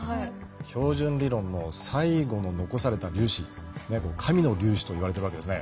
標準理論の最後の残された粒子神の粒子といわれてるわけですね。